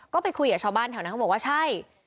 ก็ไปคุยกับชาวบ้านแถวนั้นเขาบอกว่าใช่